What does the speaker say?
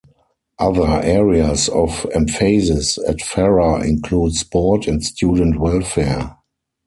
Other areas of emphasis at Farrer include sport and student welfare.